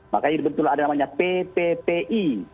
makanya betul ada namanya pppi